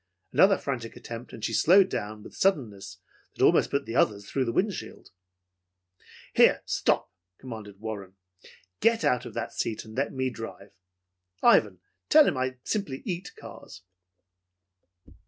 Another frantic attempt and she slowed down with a suddenness that almost put the others through the wind shield. "Here, stop!" commanded Warren. "Get out of that seat and let me drive! Ivan, tell him I simply eat cars!"